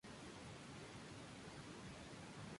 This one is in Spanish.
Esto permite a la donación tener un impacto a largo plazo.